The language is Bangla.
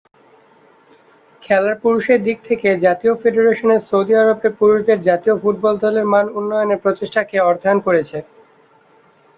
খেলার পুরুষদের দিক থেকে, জাতীয় ফেডারেশন সৌদি আরবের পুরুষদের জাতীয় ফুটবল দলের মান উন্নয়নে প্রচেষ্টাকে অর্থায়ন করেছে।